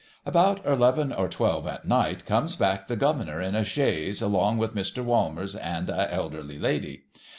About eleven or twelve at night comes back the Governor in a chaise, along with Mr. Walmers and a elderly lady.